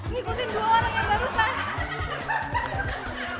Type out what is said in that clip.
ngikutin dua orang yang barusan